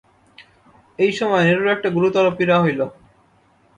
এই সময়ে নিরুর একটা গুরুতর পীড়া হইল।